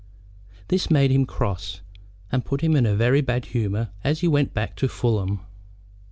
This made him cross, and put him into a very bad humor as he went back to Fulham.